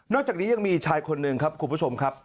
จากนี้ยังมีชายคนหนึ่งครับคุณผู้ชมครับ